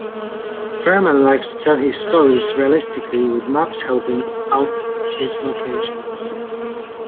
Furman likes to tell his stories realistically with maps helping out his locations.